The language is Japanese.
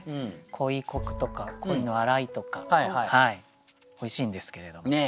鯉こくとか鯉の洗いとかおいしいんですけれども。